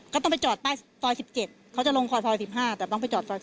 ก็ต้องไปจอดใต้ซอย๑๗เขาจะลงซอย๑๕แต่ต้องไปจอดซอย